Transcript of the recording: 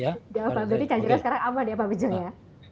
ya pak bejo jadi cacernya sekarang aman ya pak bejo ya